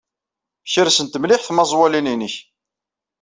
Kersent mliḥ tmaẓwalin-nnek.